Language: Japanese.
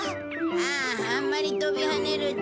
あああんまり飛び跳ねると。